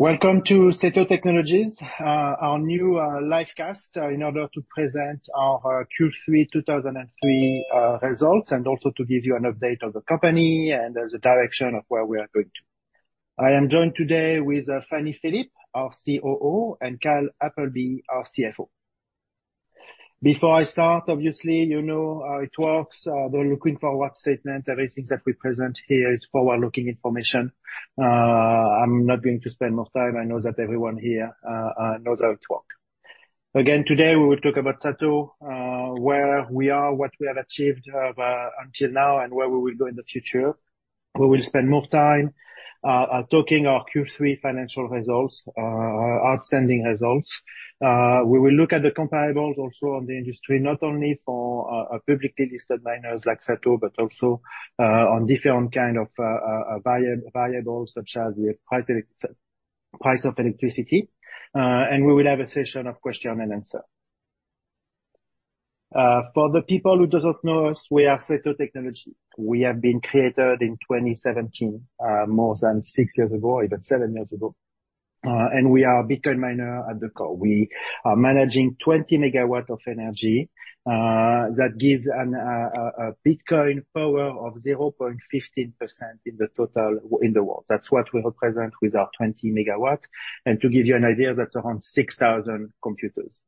Welcome to SATO Technologies, our new, live cast, in order to present our Q3 2023 results, and also to give you an update of the company and the direction of where we are going to. I am joined today with, Fanny Philip, our COO, and Kyle Appleby, our CFO. Before I start, obviously, you know how it works. The forward-looking statement, everything that we present here is forward-looking information. I'm not going to spend more time. I know that everyone here, knows how it work. Again, today we will talk about SATO, where we are, what we have achieved, until now, and where we will go in the future. We will spend more time, talking our Q3 financial results, outstanding results. We will look at the comparables also on the industry, not only for publicly listed miners like SATO, but also on different kind of variables such as the price of electricity. We will have a session of question and answer. For the people who doesn't know us, we are SATO Technologies. We have been created in 2017, more than six years ago, even seven years ago. We are a Bitcoin miner at the core. We are managing 20 MW of energy, that gives a Bitcoin power of 0.15% in the total in the world. That's what we represent with our 20 MW. To give you an idea, that's around 6,000 computers.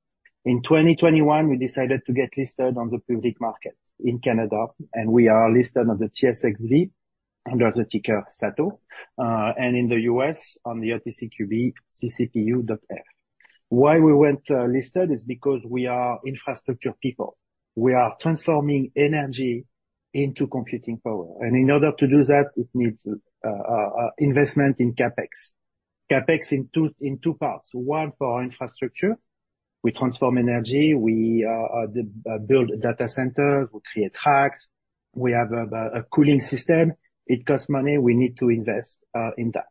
In 2021, we decided to get listed on the public market in Canada, and we are listed on the TSXV, under the ticker SATO, and in the US on the OTCQB CCPU.F. Why we went listed is because we are infrastructure people. We are transforming energy into computing power, and in order to do that, it needs investment in CapEx. CapEx in two parts, one, for our infrastructure. We transform energy, we build data centers, we create hash, we have a cooling system. It costs money. We need to invest in that.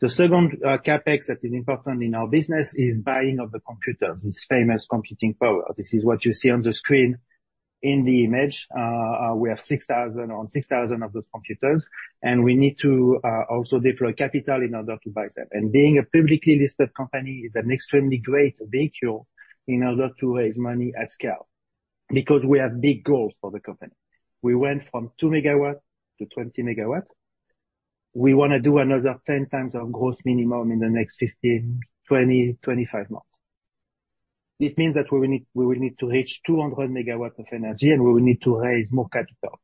The second CapEx that is important in our business is buying of the computers, this famous computing power. This is what you see on the screen in the image. We have 6,000... On 6,000 of those computers, and we need to also deploy capital in order to buy them. Being a publicly listed company is an extremely great vehicle in order to raise money at scale, because we have big goals for the company. We went from 2 MW to 20 MW. We wanna do another 10 times our growth minimum in the next 15, 20, 25 months. It means that we will need to reach 200 MW of energy, and we will need to raise more capital.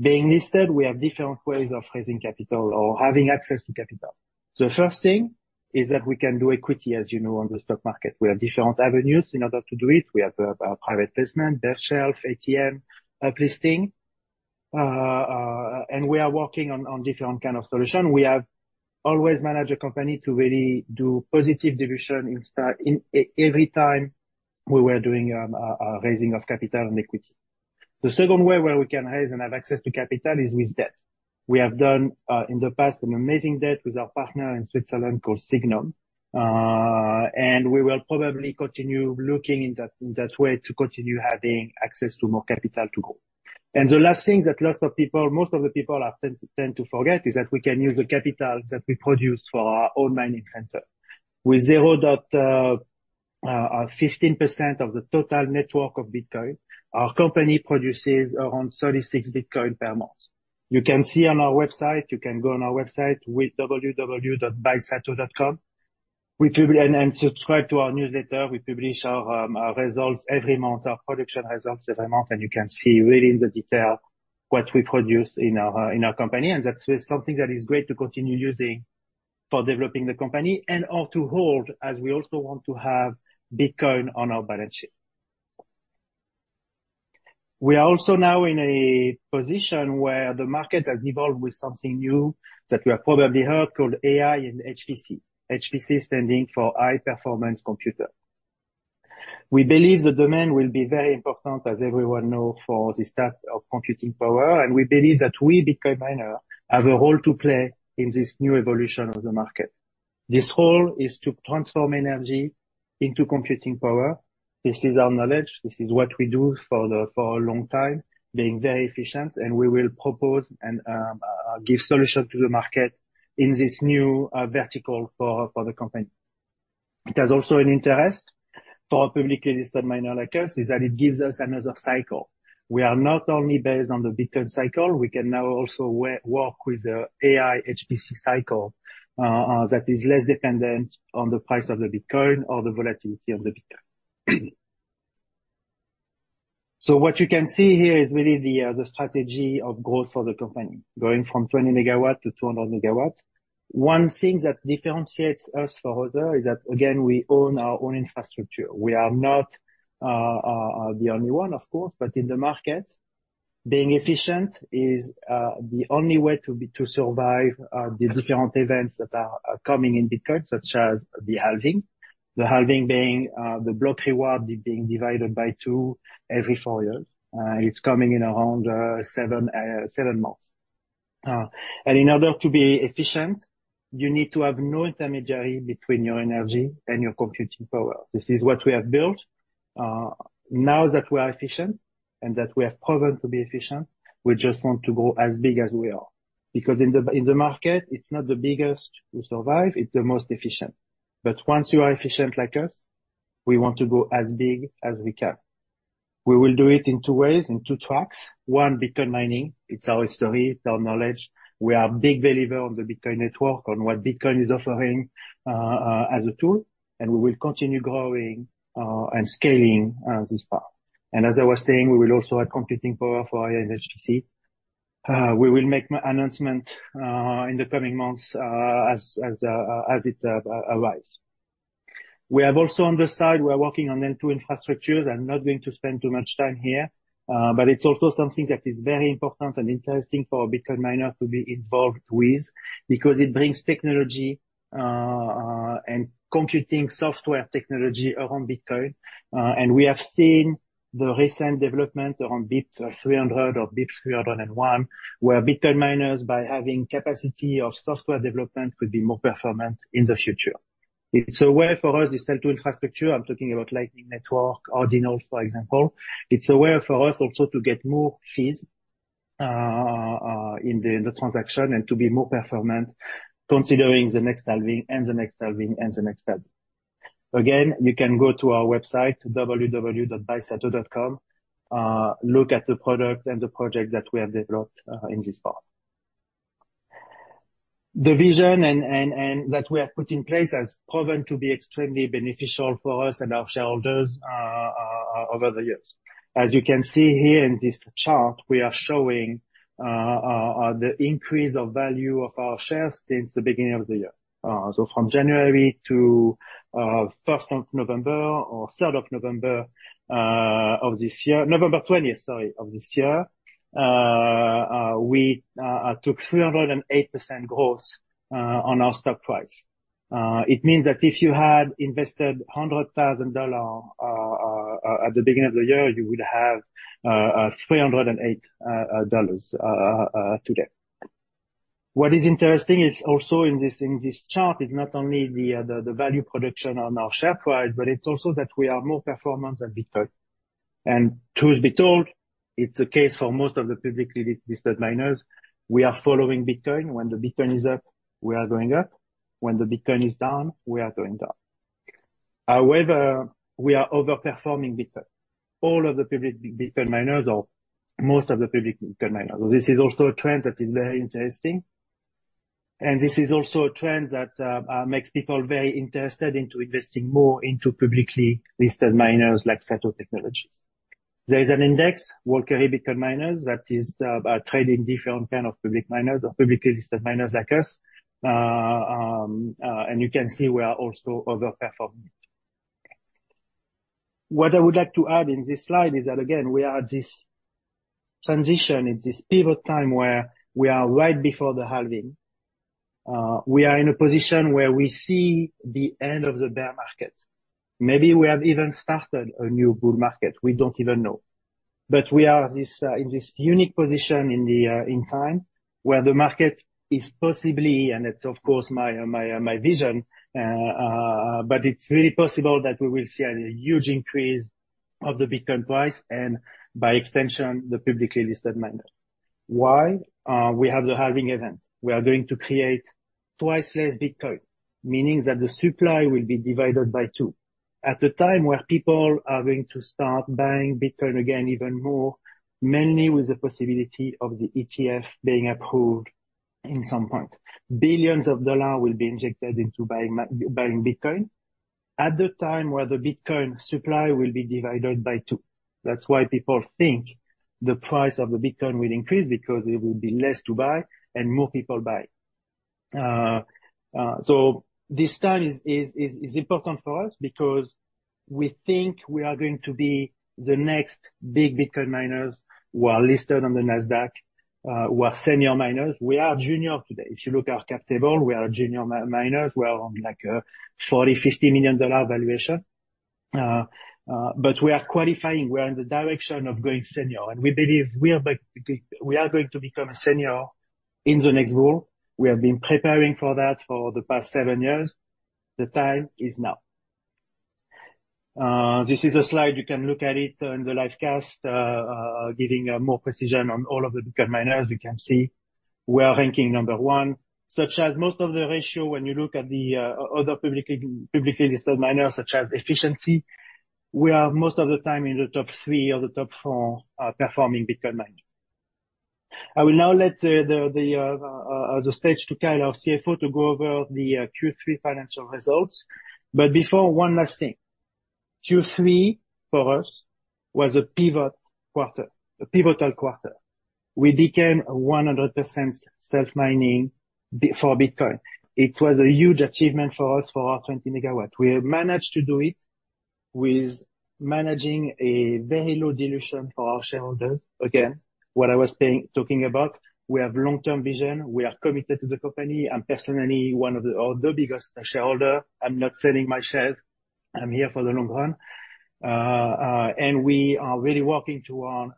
Being listed, we have different ways of raising capital or having access to capital. The first thing is that we can do equity, as you know, on the stock market. We have different avenues in order to do it. We have private placement, base shelf, ATM, listing, and we are working on different kind of solution. We have always managed a company to really do positive dilution in every time we were doing raising of capital and equity. The second way where we can raise and have access to capital is with debt. We have done in the past an amazing debt with our partner in Switzerland called Sygnum. And we will probably continue looking in that way to continue having access to more capital to go. And the last thing that lots of people, most of the people tend to forget, is that we can use the capital that we produce for our own mining center. With 0.15% of the total network of Bitcoin, our company produces around 36 BTC per month. You can see on our website. You can go on our website with www.buysato.com. We publish and subscribe to our newsletter. We publish our results every month, our production results every month, and you can see really in the detail what we produce in our company. And that's something that is great to continue using for developing the company and or to hold, as we also want to have Bitcoin on our balance sheet. We are also now in a position where the market has evolved with something new that you have probably heard called AI and HPC. HPC standing for High Performance Computer. We believe the demand will be very important, as everyone know, for the start of computing power, and we believe that we, Bitcoin miner, have a role to play in this new evolution of the market. This role is to transform energy into computing power. This is our knowledge. This is what we do for a long time, being very efficient, and we will propose and give solution to the market in this new vertical for the company. It has also an interest for a publicly listed miner like us, is that it gives us another cycle. We are not only based on the Bitcoin cycle, we can now also work with the AI HPC cycle that is less dependent on the price of the Bitcoin or the volatility of the Bitcoin. So what you can see here is really the strategy of growth for the company, going from 20 MW to 200 MW. One thing that differentiates us from others is that, again, we own our own infrastructure. We are not the only one, of course, but in the market, being efficient is the only way to be, to survive the different events that are coming in Bitcoin, such as the Halving. The Halving being the block reward being divided by two every four years, it's coming in around seven months. And in order to be efficient, you need to have no intermediary between your energy and your computing power. This is what we have built. Now that we are efficient and that we have proven to be efficient, we just want to go as big as we are. Because in the, in the market, it's not the biggest to survive, it's the most efficient. But once you are efficient like us, we want to go as big as we can. We will do it in two ways, in two tracks. One, Bitcoin mining. It's our history, it's our knowledge. We are a big believer on the Bitcoin network, on what Bitcoin is offering, as a tool, and we will continue growing, and scaling, this path. And as I was saying, we will also add computing power for HPC. We will make announcement, in the coming months, as it arise. We have also on the side, we are working on L2 infrastructure. I'm not going to spend too much time here, but it's also something that is very important and interesting for a Bitcoin miner to be involved with because it brings technology, and computing software technology around Bitcoin. We have seen the recent development around BIP 300 or BIP 301, where Bitcoin miners, by having capacity of software development, could be more performant in the future. It's a way for us, this L2 infrastructure, I'm talking about Lightning Network, Ordinals, for example. It's a way for us also to get more fees, in the transaction and to be more performant, considering the next halving, and the next halving, and the next halving. Again, you can go to our website, www.sato.com, look at the product and the project that we have developed, in this part. The vision and that we have put in place has proven to be extremely beneficial for us and our shareholders over the years. As you can see here in this chart, we are showing the increase of value of our shares since the beginning of the year. So from January to first of November or third of November of this year, November twentieth, sorry, of this year, we took 308% growth on our stock price. It means that if you had invested 100,000 dollars at the beginning of the year, you would have 308 dollars today. What is interesting is also in this chart is not only the value production on our share price, but it's also that we are more performance than Bitcoin. And truth be told, it's the case for most of the publicly listed miners. We are following Bitcoin. When the Bitcoin is up, we are going up. When the Bitcoin is down, we are going down. However, we are overperforming Bitcoin. All of the public Bitcoin miners or most of the public Bitcoin miners. This is also a trend that is very interesting, and this is also a trend that makes people very interested into investing more into publicly listed miners like SATO Technologies. There is an index, Valkyrie Bitcoin Miners, that is trading different kind of public miners or publicly listed miners like us. You can see we are also overperforming. What I would like to add in this slide is that, again, we are at this transition, in this pivot time where we are right before the halving. We are in a position where we see the end of the bear market. Maybe we have even started a new bull market. We don't even know. But we are in this unique position in time, where the market is possibly, and it's of course my vision, but it's really possible that we will see a huge increase of the Bitcoin price and by extension, the publicly listed miners. Why? We have the halving event. We are going to create twice less Bitcoin, meaning that the supply will be divided by two. At the time where people are going to start buying Bitcoin again even more, mainly with the possibility of the ETF being approved in some point. Billions of dollars will be injected into buying buying Bitcoin at the time where the Bitcoin supply will be divided by two. That's why people think the price of the Bitcoin will increase, because it will be less to buy and more people buy. So this time is important for us because we think we are going to be the next big Bitcoin miners who are listed on the Nasdaq, who are senior miners. We are junior today. If you look at our cap table, we are junior miners. We are on, like, 40-50 million dollar valuation. But we are qualifying, we are in the direction of going senior, and we believe we are going to become a senior in the next bull. We have been preparing for that for the past 7 years. The time is now. This is a slide, you can look at it on the live cast, giving more precision on all of the Bitcoin miners. You can see we are ranking number 1, such as most of the ratio when you look at the other publicly listed miners, such as efficiency, we are most of the time in the top 3 or the top 4 performing Bitcoin miner. I will now let the stage to Kyle, our CFO, to go over the Q3 financial results. But before, one last thing. Q3 for us was a pivot quarter, a pivotal quarter. We became a 100% self-mining for Bitcoin. It was a huge achievement for us, for our 20 MW. We have managed to do it with managing a very low dilution for our shareholders. Again, what I was saying, talking about, we have long-term vision. We are committed to the company. I'm personally one of the biggest shareholder. I'm not selling my shares. I'm here for the long run. And we are really working toward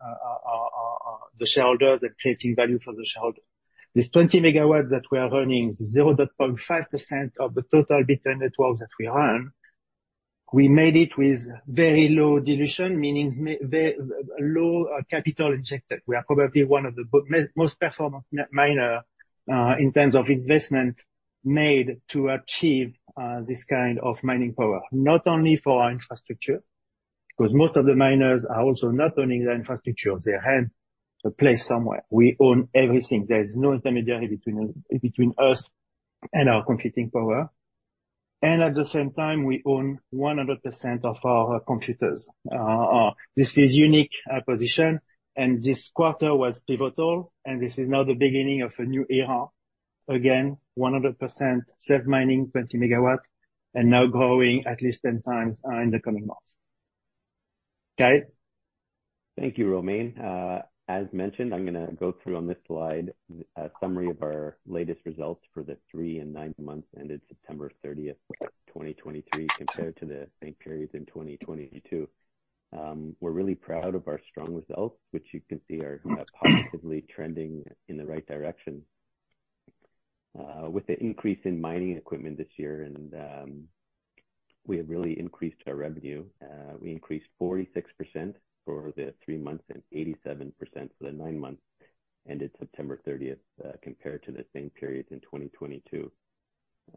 the shareholders and creating value for the shareholders. This 20 MW that we are running is 0.5% of the total Bitcoin networks that we run. We made it with very low dilution, meaning very low capital injected. We are probably one of the most performant miner in terms of investment made to achieve this kind of mining power, not only for our infrastructure, because most of the miners are also not owning the infrastructure of their hand to place somewhere. We own everything. There is no intermediary between us and our computing power, and at the same time, we own 100% of our computers. This is unique position, and this quarter was pivotal, and this is now the beginning of a new era. Again, 100% self-mining, 20 MW, and now growing at least 10 times in the coming months. Kyle? Thank you, Romain. As mentioned, I'm gonna go through on this slide a summary of our latest results for the three and nine months ended September 30th, 2023, compared to the same periods in 2022. We're really proud of our strong results, which you can see are positively trending in the right direction. With the increase in mining equipment this year and we have really increased our revenue. We increased 46% for the three months and 87% for the nine months ended September 30th, 2023, compared to the same periods in 2022.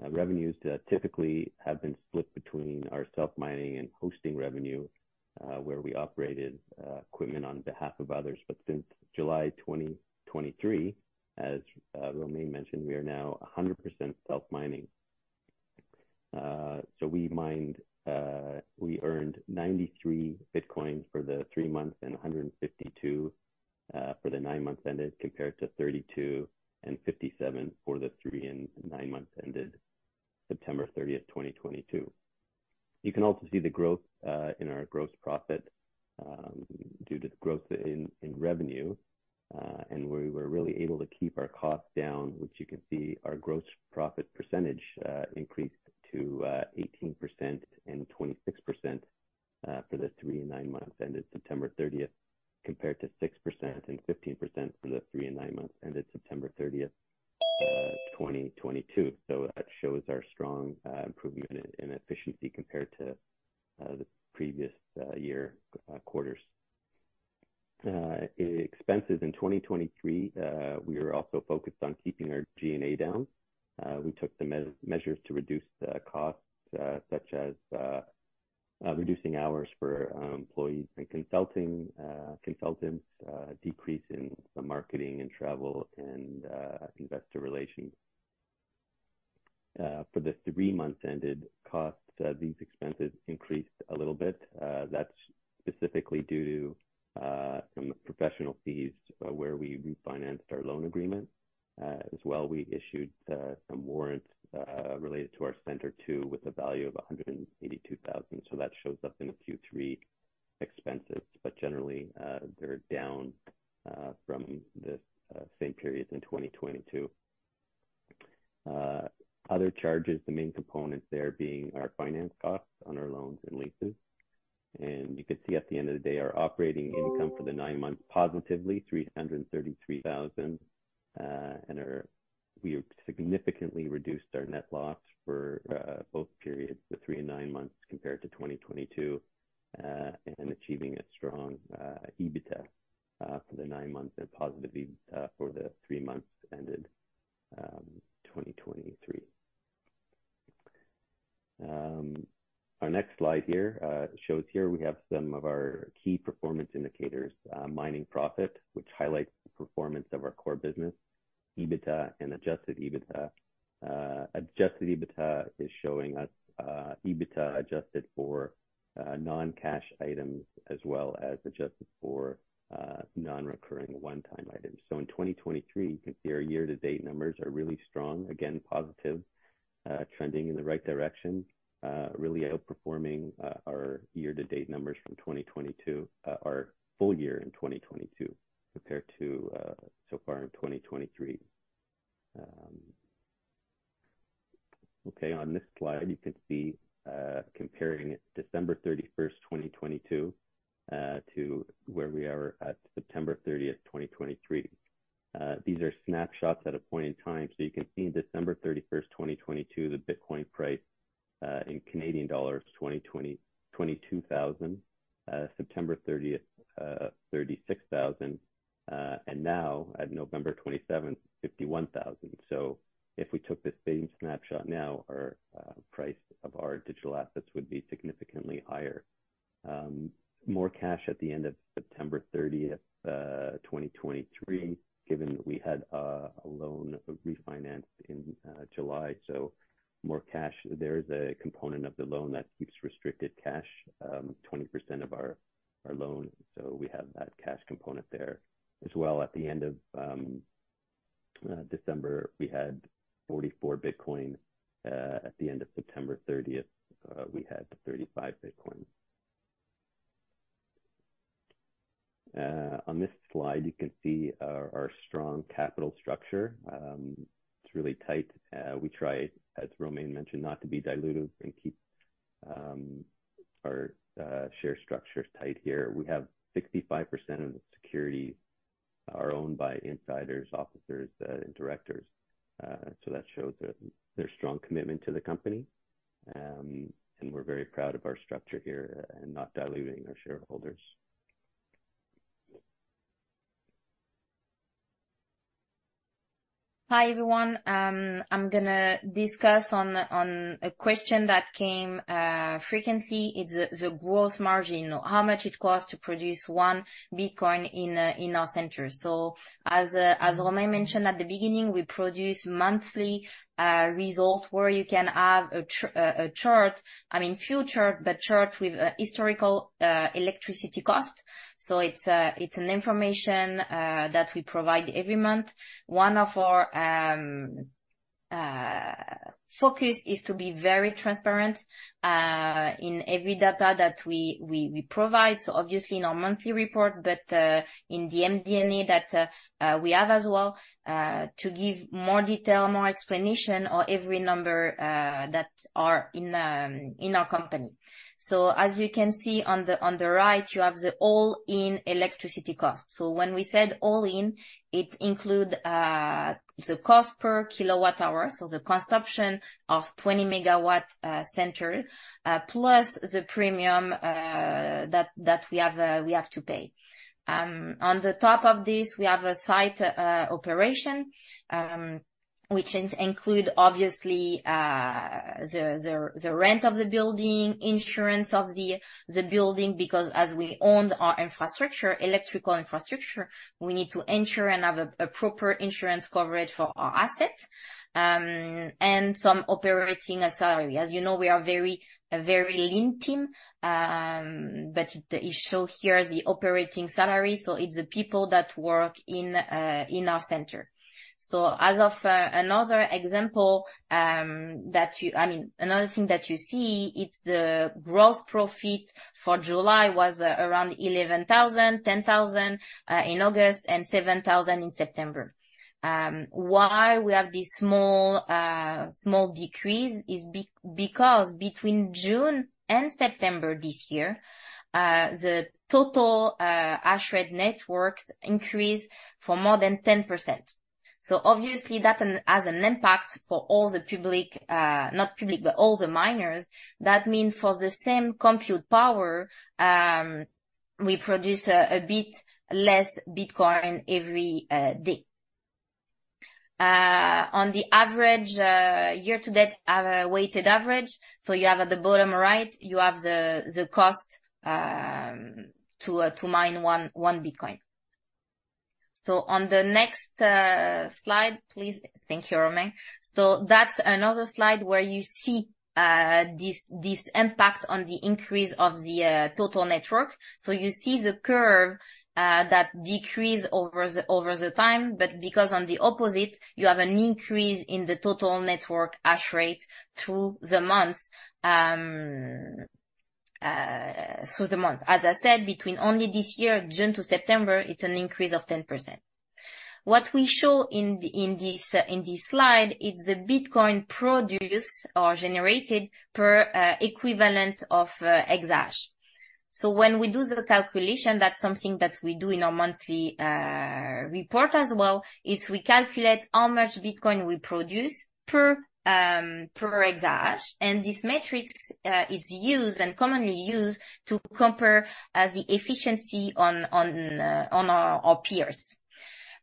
Revenues typically have been split between our self-mining and hosting revenue, where we operated equipment on behalf of others. But since July 2023, as Romain mentioned, we are now 100% self-mining. So we mined, we earned 93 BTC for the three months and 152 for the nine months ended, compared to 32 and 57 for the three and nine months ended September 30, 2022. You can also see the growth in our gross profit due to growth in revenue, and we were really able to keep our costs down, which you can see our gross profit percentage increased to 18% and 26% for the three and nine months ended September 30, compared to 6% and 15% for the three and nine months ended September 30, 2022. So that shows our strong improvement in efficiency compared to the previous year quarters. Expenses in 2023, we are also focused on keeping our G&A down. We took the measures to reduce the costs, such as, reducing hours for, employees and consulting consultants, decrease in the marketing and travel and, investor relations. For the three months ended, costs, these expenses increased a little bit. That's specifically due to, some professional fees where we refinanced our loan agreement. As well, we issued, some warrants, related to our Center 2, with a value of 182,000. So that shows up in the Q3 expenses, but generally, they're down, from the, same periods in 2022. Other charges, the main components there being our finance costs on our loans and leases. You can see at the end of the day, our operating income for the nine months, positively 333,000, and we have significantly reduced our net loss for both periods, the three and nine months, compared to 2022, and achieving a strong EBITDA for the nine months and positive EBITDA for the three months ended 2023. Our next slide here shows here we have some of our key performance indicators, mining profit, which highlights the performance of our core business, EBITDA and adjusted EBITDA. Adjusted EBITDA is showing us EBITDA adjusted for non-cash items as well as adjusted for non-recurring one-time items. So in 2023, you can see our year-to-date numbers are really strong, again, positive, trending in the right direction, really outperforming our year-to-date numbers from 2022, our full year in 2022, compared to so far in 2023. Okay, on this slide, you can see comparing December 31, 2022, to where we are at September 30, 2023. These are snapshots at a point in time. So you can see in December 31, 2022, the Bitcoin price in Canadian dollars, 22,000, September 30, 36,000, and now at November 27, 51,000. So if we took the same snapshot now, our price of our digital assets would be significantly higher. More cash at the end of September 30th, 2023, given that we had a loan refinanced in July, so more cash. There is a component of the loan that keeps restricted cash, 20% of our loan, so we have that cash component there. As well, at the end of December, we had 44 BTC. At the end of September 30th, we had 35 BTC. On this slide, you can see our strong capital structure. It's really tight. We try, as Romain mentioned, not to be dilutive and keep our share structure is tight here. We have 65% of the securities are owned by insiders, officers, and directors. So that shows their strong commitment to the company. We're very proud of our structure here and not diluting our shareholders. Hi, everyone. I'm gonna discuss on a question that came frequency. It's the growth margin. How much it costs to produce one Bitcoin in our center. So as Romain mentioned at the beginning, we produce monthly result where you can have a chart. I mean, future, but chart with historical electricity cost. So it's an information that we provide every month. One of our focus is to be very transparent in every data that we provide. So obviously in our monthly report, but in the MD&A that we have as well to give more detail, more explanation on every number that are in our company. So as you can see on the right, you have the all-in electricity cost. So when we said all in, it include the cost per kilowatt hour, so the consumption of 20 MW center plus the premium that, that we have, we have to pay. On the top of this, we have a site operation which include obviously the, the, the rent of the building, insurance of the, the building, because as we own our infrastructure, electrical infrastructure, we need to ensure and have a, a proper insurance coverage for our assets, and some operating salary. As you know, we are very, a very lean team, but it show here the operating salary, so it's the people that work in, in our center. So as of, I mean, another thing that you see, it's the gross profit for July was around 11,000, 10,000 in August, and 7,000 in September. Why we have this small, small decrease is because between June and September this year, the total hash rate network increased for more than 10%. So obviously, that has an impact for all the public, not public, but all the miners. That mean for the same compute power, we produce a bit less Bitcoin every day. On the average, year to date, our weighted average, so you have at the bottom right, you have the cost to mine one Bitcoin. So on the next slide, please. Thank you, Romain. So that's another slide where you see this impact on the increase of the total network. You see the curve that decrease over the time, but because on the opposite, you have an increase in the total network hash rate through the month. As I said, between only this year, June to September, it's an increase of 10%. What we show in this slide is the Bitcoin produced or generated per equivalent of exahash. So when we do the calculation, that's something that we do in our monthly report as well, is we calculate how much Bitcoin we produce per exahash, and this metric is used and commonly used to compare as the efficiency on our peers.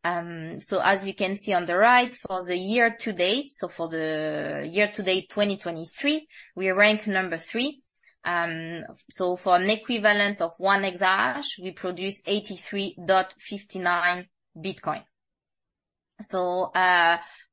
So as you can see on the right, for the year to date, so for the year to date, 2023, we rank number three. So for an equivalent of 1 EH, we produce 83.59 BTC. So,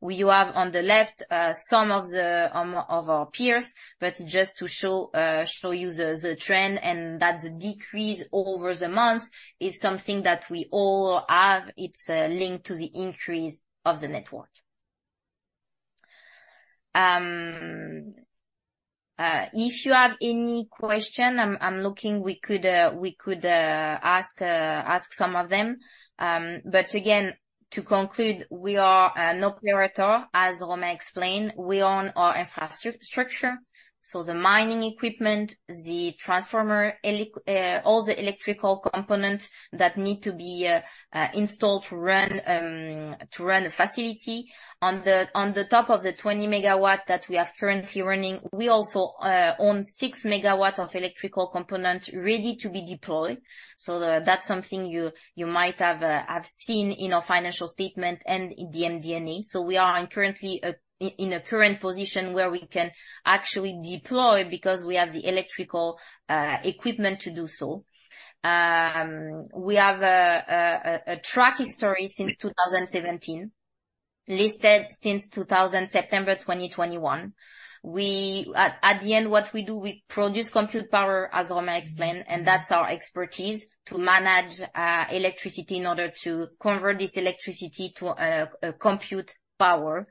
you have on the left, some of our peers, but just to show you the trend and that decrease over the months is something that we all have. It's linked to the increase of the network. If you have any question, I'm looking, we could ask some of them. But again, to conclude, we are no operator, as Romain explained, we own our infrastructure. So the mining equipment, the transformer, all the electrical components that need to be installed to run the facility. On top of the 20 MW that we have currently running, we also own 6 MW of electrical component ready to be deployed. So that's something you might have seen in our financial statement and in the MD&A. So we are currently in a current position where we can actually deploy because we have the electrical equipment to do so. We have a track history since 2017, listed since September 2021. What we do, we produce compute power, as Romain explained, and that's our expertise, to manage electricity in order to convert this electricity to compute power.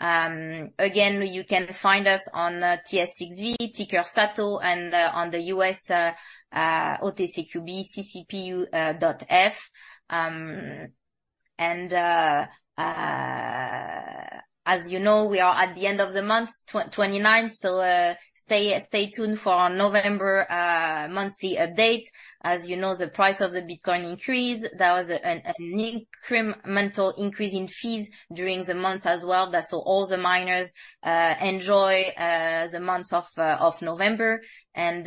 Again, you can find us on TSXV, ticker SATO, and on the U.S. OTCQB, CCPU.F. As you know, we are at the end of the month, 29, so stay tuned for our November monthly update. As you know, the price of Bitcoin increased. There was an incremental increase in fees during the month as well, that's so all the miners enjoy the month of November. And,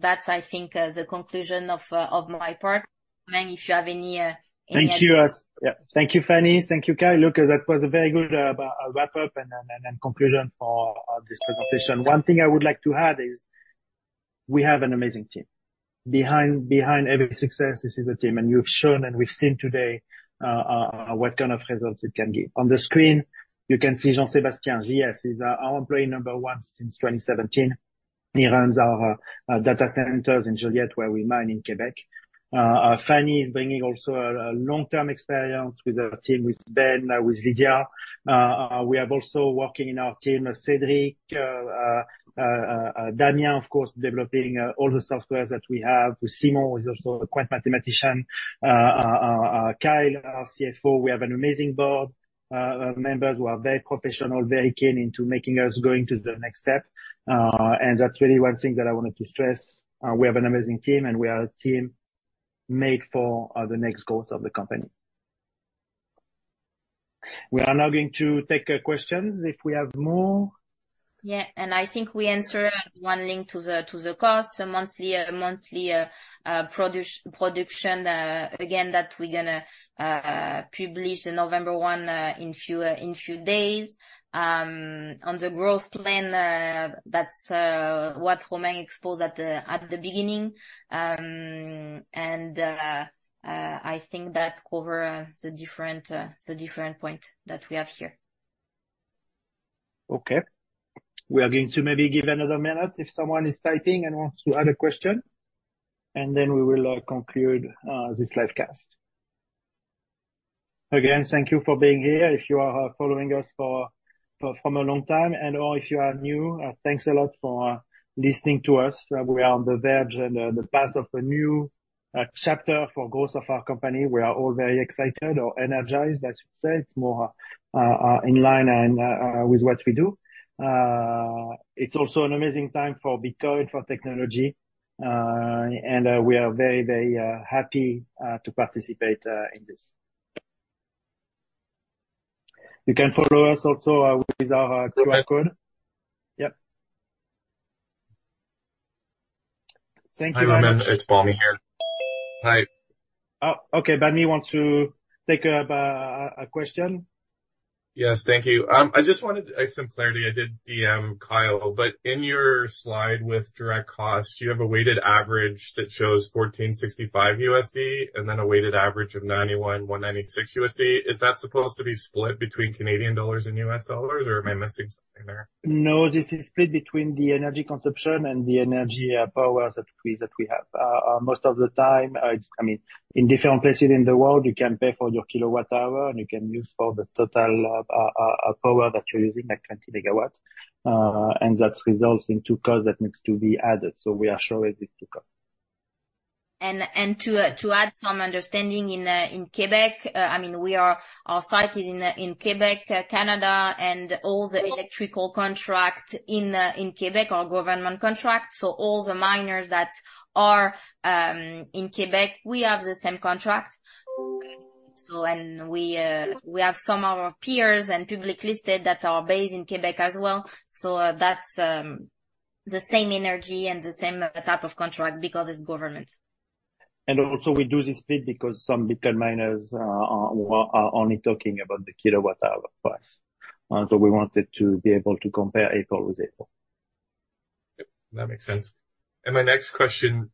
that's I think the conclusion of my part. Romain, if you have any any- Thank you, yeah. Thank you, Fanny. Thank you, Kyle. Look, that was a very good wrap-up and conclusion for this presentation. One thing I would like to add is, we have an amazing team. Behind every success, this is a team, and you've shown and we've seen today what kind of results it can give. On the screen, you can see Jean-Sébastien, JS, he's our employee number one since 2017. He runs our data centers in Joliette, where we mine in Quebec. Fanny is bringing also a long-term experience with our team, with Ben, with Lydia. We have also working in our team, Cedric, Daniel, of course, developing all the softwares that we have. Simon is also a quite mathematician. Kyle, our CFO. We have an amazing board members who are very professional, very keen into making us going to the next step. And that's really one thing that I wanted to stress, we have an amazing team, and we are a team made for, the next goals of the company. We are now going to take questions if we have more. Yeah, and I think we answered one link to the cost, so monthly production, again, that we're gonna publish in November one, in a few days. On the growth plan, that's what Romain exposed at the beginning. And I think that cover the different point that we have here. Okay. We are going to maybe give another minute if someone is typing and wants to add a question, and then we will conclude this live cast. Again, thank you for being here. If you are following us from a long time, and/or if you are new, thanks a lot for listening to us. We are on the verge and the path of a new chapter for growth of our company. We are all very excited or energized, I should say. It's more in line and with what we do. It's also an amazing time for Bitcoin, for technology, and we are very, very happy to participate in this. You can follow us also with our QR code. Yep. Thank you- Hi, Romain, it's Balmi here. Hi. Oh, okay, Balmi wants to take a question? Yes, thank you. I just wanted some clarity. I did DM Kyle, but in your slide with direct costs, you have a weighted average that shows $1,465, and then a weighted average of $91,196. Is that supposed to be split between Canadian dollars and U.S. dollars, or am I missing something there? No, this is split between the energy consumption and the energy, power that we, that we have. Most of the time, it's... I mean, in different places in the world, you can pay for your kWh, and you can use for the total, power that you're using, like 20 MW, and that results in two costs that needs to be added. So we are sure it is two cost. To add some understanding in Quebec, I mean, our site is in Quebec, Canada, and all the electrical contracts in Quebec are government contracts, so all the miners that are in Quebec, we have the same contract. So we have some of our peers and public listed that are based in Quebec as well. So that's the same energy and the same type of contract because it's government. And also, we do this split because some Bitcoin miners are only talking about the kilowatt-hour price. So we wanted to be able to compare apple with apple. Yep, that makes sense. And my next question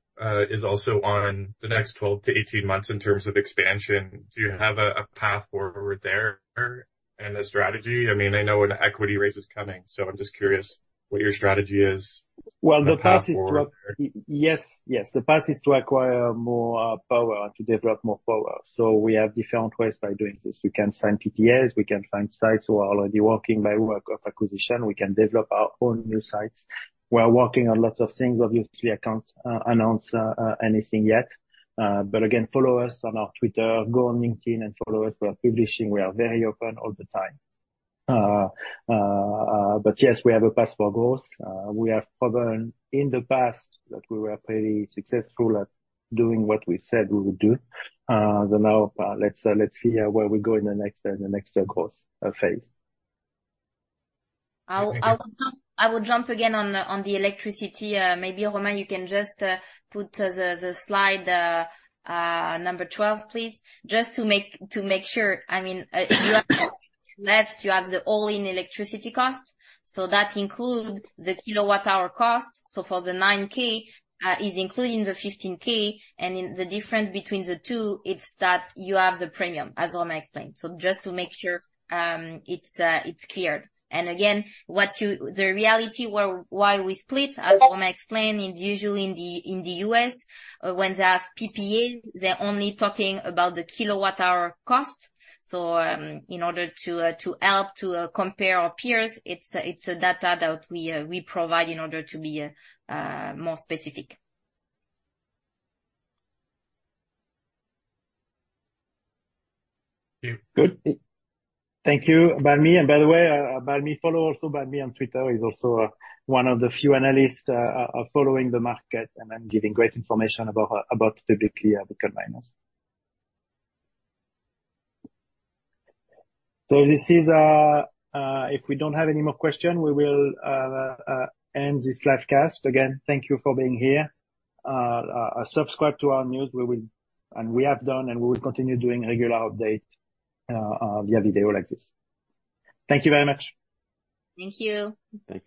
is also on the next 12-18 months in terms of expansion. Do you have a path forward there and a strategy? I mean, I know an equity raise is coming, so I'm just curious what your strategy is. Well, the path is to- The path forward. Yes, yes. The path is to acquire more power, to develop more power. So we have different ways by doing this. We can sign PPAs, we can find sites who are already working by way of acquisition, we can develop our own new sites. We are working on lots of things. Obviously, I can't announce anything yet. But again, follow us on our Twitter, go on LinkedIn and follow us. We are publishing, we are very open all the time. But yes, we have a path for growth. We have proven in the past that we were pretty successful at doing what we said we would do. So now, let's see where we go in the next growth phase. I will jump again on the electricity. Maybe, Romain, you can just put the slide number 12, please. Just to make sure, I mean, left, you have the all-in electricity cost. So that include the kilowatt-hour cost. So for the 9K is including the 15K, and in the difference between the two, it's that you have the premium, as Romain explained. So just to make sure, it's cleared. And again, the reality why we split, as Romain explained, is usually in the U.S., when they have PPAs, they're only talking about the kilowatt-hour cost. In order to help compare our peers, it's data that we provide in order to be more specific. Thank you. Good. Thank you, Balmi. And by the way, Balmi, follow also Balmi on Twitter. He's also one of the few analysts following the market and giving great information about the Bitcoin miners. So this is if we don't have any more question, we will end this live cast. Again, thank you for being here. Subscribe to our news. We will... And we have done, and we will continue doing regular update via video like this. Thank you very much. Thank you. Thank you.